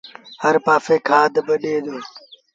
هر پآڻيٚ تي کآڌ با ڏي دو